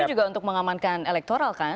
tapi juga untuk mengamankan elektoral kan